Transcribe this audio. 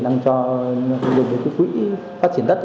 đang cho quỹ phát triển đất